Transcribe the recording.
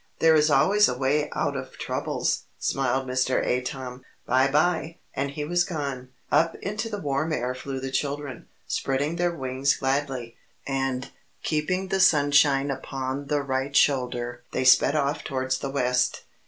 "There is always a way out of troubles," smiled Mr. Atom. "By by!" And he was gone. Up into the warm air flew the children, spreading their wings gladly. And Keeping the Sunshine Upon the right shoulder they sped off towards the West.